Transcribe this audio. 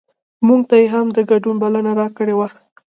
مونږ ته یې هم د ګډون بلنه راکړې وه.